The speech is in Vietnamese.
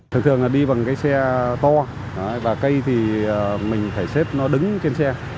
thường thường là đi bằng cái xe to và cây thì mình phải xếp nó đứng trên xe